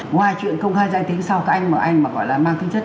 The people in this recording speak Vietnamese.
ngoài chuyện công khai danh tính sau các anh mà anh mà gọi là mang tính chất